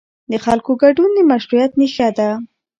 د خلکو ګډون د مشروعیت ریښه ده